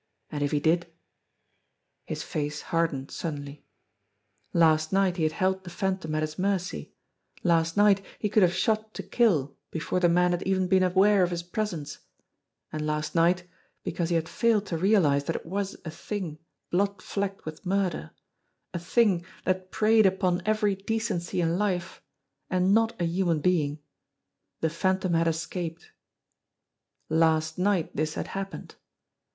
And if he did His face hardened suddenly. Last night he had held the Phantom at his mercy, last night he could have shot to kill before the man had even been aware of his presence; and last night, because he had failed to realise that it was a Thing blood flecked with murder, a Thing that preyed upon every decency in life, and not a human being, the Phantom had escaped. Last night this had happened.